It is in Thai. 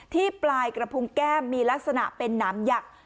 ที่ปลายกระพุงแก้มมีลักษณะเป็นหนามหยักษ์